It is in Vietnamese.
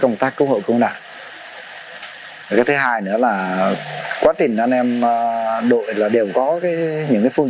công tác cứu hộ công đoàn cái thứ hai nữa là quá trình anh em đội là đều có cái những cái phương